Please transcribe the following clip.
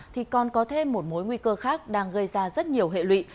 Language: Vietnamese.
thì còn có thêm một mối nguy cơ khác đang gây ra rất nhiều hệ lụy